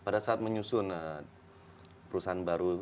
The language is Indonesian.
pada saat menyusun perusahaan baru